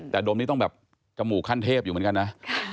แต่ดมนี่ต้องแบบจมูกขั้นเทพอยู่เหมือนกันนะ